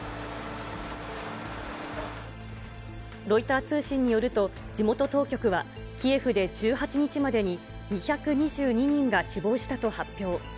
ロイター通信によると、地元当局は、キエフで１８日までに２２２人が死亡したと発表。